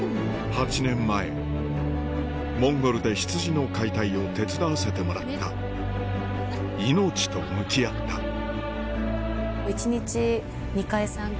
８年前モンゴルで羊の解体を手伝わせてもらった命と向き合ったあ。